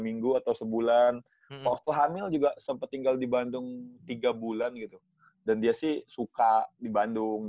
minggu atau sebulan huis hai rh embal juga sempet tinggal di bandung tiga bulan juga sih suka di bandung